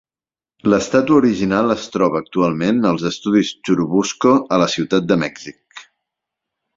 L'estàtua original es troba actualment als Estudis Churubusco a la ciutat de Mèxic.